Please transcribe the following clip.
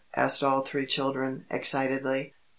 asked all three children, excitedly.